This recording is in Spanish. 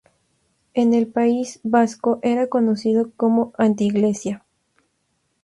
En el País Vasco era conocido como anteiglesia.